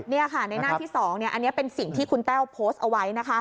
นี่ค่ะในหน้าที่๒อันนี้เป็นสิ่งที่คุณแต้วโพสต์เอาไว้นะคะ